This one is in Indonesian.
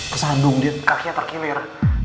kesandung dia kakinya terkilir